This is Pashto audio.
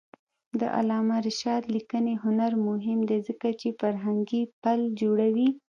د علامه رشاد لیکنی هنر مهم دی ځکه چې فرهنګي پل جوړوي.